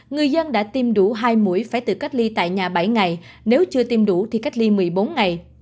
người dân đã tiêm đủ hai mũi phải tự cách ly tại nhà bảy ngày nếu chưa tiêm đủ thì cách ly một mươi bốn ngày